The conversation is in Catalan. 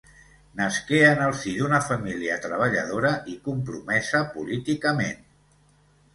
Nasqué en el si d'una família treballadora i compromesa políticament.